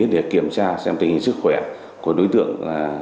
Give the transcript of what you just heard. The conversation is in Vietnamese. để kiểm tra xem tình hình sức khỏe của đối tượng